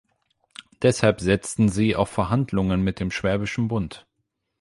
Deshalb setzten sie auf Verhandlungen mit dem Schwäbischen Bund.